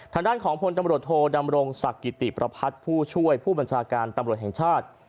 ทางด้านของพลตำรวจโทดำรงศักดิ์กิติประพัฒน์ผู้ช่วยผู้บัญชาการตำรวจแห่งชาติ